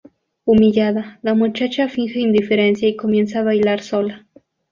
Humillada, la muchacha finge indiferencia y comienza a bailar sola.